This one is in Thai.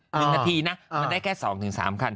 หนึ่งนาทีนะมันได้แค่สองถึงสามคัน